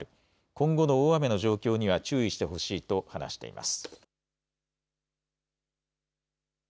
今後の大雨の状況には注意してほしいと話しています。